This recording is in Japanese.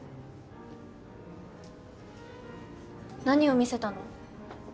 何を見せたの？